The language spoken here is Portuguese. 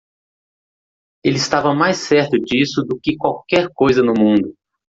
Ele estava mais certo disso do que de qualquer coisa no mundo.